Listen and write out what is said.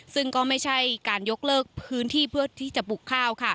ซึ่งก็ไม่ใช่การยกเลิกพื้นที่เพื่อที่จะปลูกข้าว